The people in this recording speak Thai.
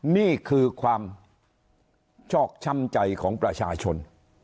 นี่คือความชอบช้ำใจของประชาชน